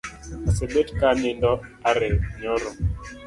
Asebet ka anindo are nyoro